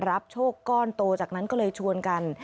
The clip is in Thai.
รับโชคก้อนโตจากนั้นก็เลยชวนกัน